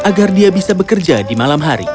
agar dia bisa bekerja di malam hari